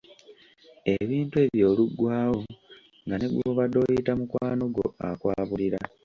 Ebintu ebyo oluggwaawo nga ne gw’obadde oyita mukwano gwo akwabulira.